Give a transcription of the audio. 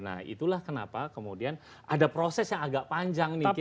nah itulah kenapa kemudian ada proses yang agak panjang nih